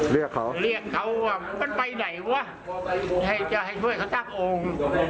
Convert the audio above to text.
เรียกเขามันไปไหนว่ะให้ช่วยเขาตั้งโลง